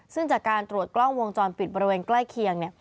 ซึ่งจากการตรวจกล้องวงจรปิดบริเวณใกล้เคียงเนี่ย